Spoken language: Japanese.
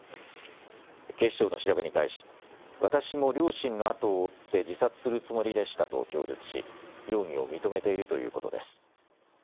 警視庁の調べに対し、私も両親の後を追って自殺するつもりでしたと供述し、容疑を認めているということです。